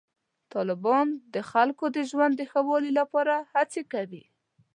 طالبان د خلکو د ژوند د ښه والي لپاره هڅې کوي.